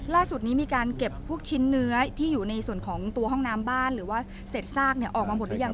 ล่าสุดนี้มีการเก็บพวกชิ้นเนื้อที่อยู่ในส่วนของตัวห้องน้ำบ้านหรือว่าเศษซากออกมาหมดหรือยัง